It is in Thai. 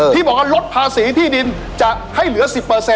ที่บอกว่าลดภาษีที่ดินจะให้เหลือ๑๐